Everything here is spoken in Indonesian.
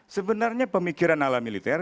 sebenarnya pemikiran ala militer